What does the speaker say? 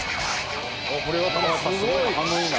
これはだからやっぱすごく反応いいな。